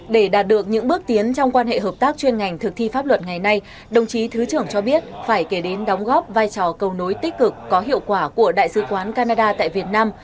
để đạt được những bước tiến trong quan hệ hợp tác chuyên ngành thực thi pháp luật ngày nay đồng chí thứ trưởng cho biết phải kể đến đóng góp vai trò cầu nối tích cực có hiệu quả của đại sứ quán canada tại việt nam